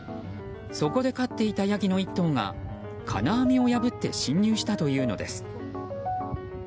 そこで飼っていたヤギの１頭が金網を破って侵入したというのです。